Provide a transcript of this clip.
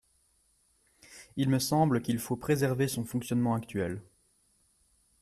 Il me semble qu’il faut préserver son fonctionnement actuel.